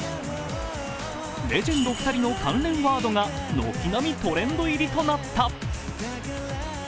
レジェンド２人の関連ワードが軒並みトレンド入りとなった。